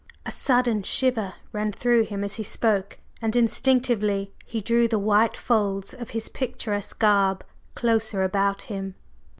A sudden shiver ran through him as he spoke, and instinctively he drew the white folds of his picturesque garb closer about him.